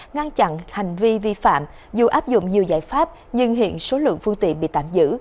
ngăn chặn hành vi vi phạm dù áp dụng nhiều giải pháp nhưng hiện số lượng phương tiện bị tạm giữ